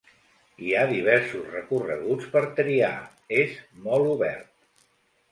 Hi ha diversos recorreguts per triar, és molt obert.